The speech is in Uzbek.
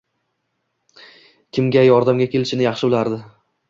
Kimga yordamga kelishini yaxshi bilardi.